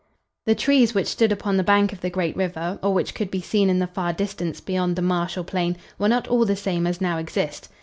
The trees which stood upon the bank of the great river, or which could be seen in the far distance beyond the marsh or plain, were not all the same as now exist.